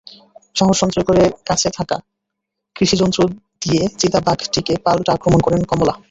সাহস সঞ্চয় করে কাছে থাকা কৃষিযন্ত্র দিয়ে চিতাবাঘটিকে পাল্টা আক্রমণ করেন কমলা।